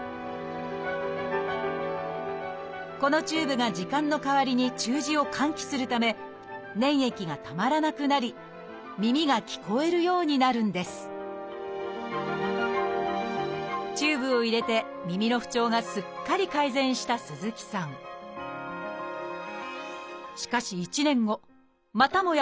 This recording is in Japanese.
このチューブが耳管の代わりに中耳を換気するため粘液がたまらなくなり耳が聞こえるようになるんですチューブを入れて耳の不調がすっかり改善した鈴木さんしかし１年後またもや